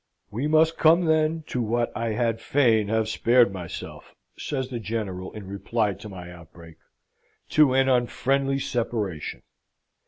"We must come, then, to what I had fain have spared myself," says the General, in reply to my outbreak; "to an unfriendly separation.